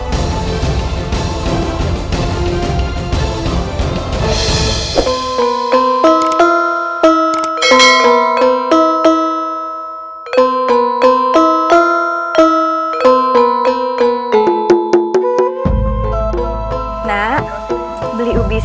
perbekalan kita sudah menipis